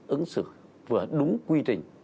ứng xử vừa đúng quy trình